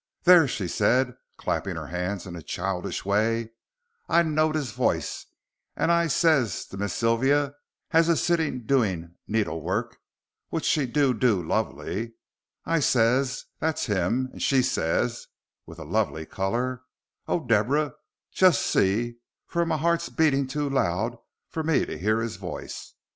"There," said she, clapping her hands in a childish way, "I know'd his vice, an' I ses to Miss Sylvia, as is sittin' doing needlework, which she do do lovely, I ses 'That's him,' and she ses, with a lovely color, 'Oh, Deborah, jus' see, fur m'eart's abeating too loud for me t'ear 'is vice.'